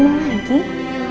maaf kok lemanin kak